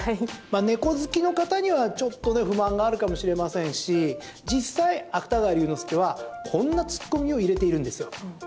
猫好きの方には、ちょっと不満があるかもしれませんし実際、芥川龍之介はこんなツッコミを入れているんですよ。